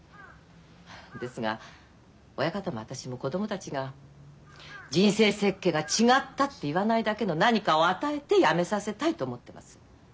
ですが親方も私も子供たちが人生設計が違ったって言わないだけの何かを与えてやめさせたいと思ってます。